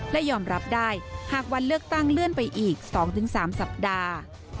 และยอมรับได้หากวันเลือกตั้งเลื่อนไปอีก๒๓สัปดาห์